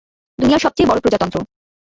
দুনিয়ার সবচেয়ে বড় প্রজাতন্ত্র।